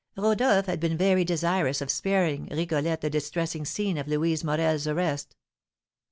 Rodolph had been very desirous of sparing Rigolette the distressing scene of Louise Morel's arrest.